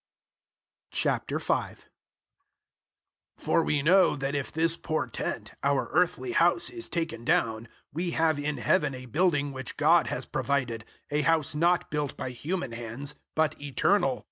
005:001 For we know that if this poor tent, our earthly house, is taken down, we have in Heaven a building which God has provided, a house not built by human hands, but eternal.